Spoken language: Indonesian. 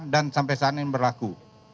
dan sampai saat ini berlaku